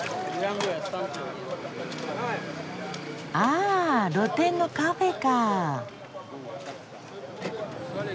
あ露店のカフェか。